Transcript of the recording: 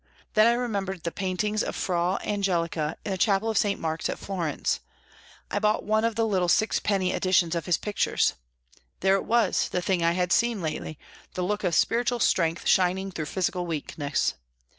Then I remembered the paintings of Fra Angelico in the Chapel of St. Mark's at Florence. I bought one of the little sixpenny editions of his pictures. There it was, the thing I had seen lately, the look of spiritual strength shining through physical weakness.